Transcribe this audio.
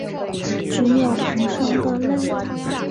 只有无声的泪